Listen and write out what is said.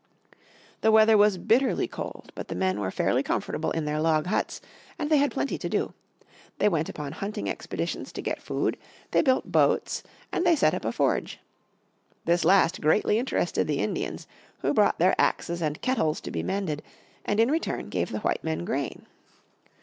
The weather was bitterly cold, but the men were fairly comfortable in their log huts, and they had plenty to do. They went upon hunting expeditions to get food, they built boats, and they set up a forge. This last greatly interested the Indians who brought their axes and kettles to be mended, and in return gave the white men grain.